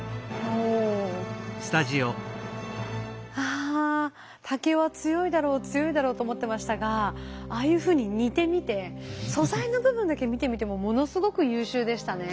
あ竹は強いだろう強いだろうと思ってましたがああいうふうに煮てみて素材の部分だけ見てみてもものすごく優秀でしたね。